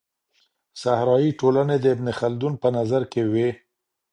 صحرايي ټولني د ابن خلدون په نظر کي وې.